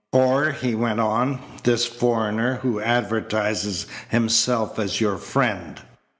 "Or," he went on, "this foreigner who advertises himself as your friend!